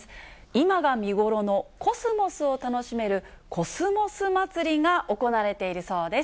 今が見頃のコスモスを楽しめる、コスモスまつりが行われているそうです。